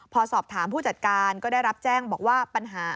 พอสอบถามผู้จัดการก็ได้รับแจ้งบอกว่าปัญหา